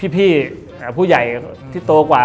พี่ผู้ใหญ่ที่โตกว่า